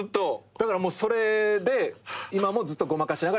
だからそれで今もずっとごまかしながらやってる。